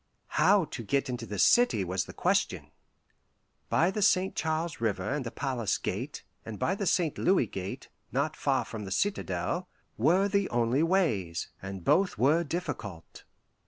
How to get into the city was the question. By the St. Charles River and the Palace Gate, and by the St. Louis Gate, not far from the citadel, were the only ways, and both were difficult.